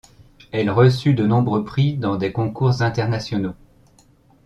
Elle reçut de nombreux prix dans des concours internationaux.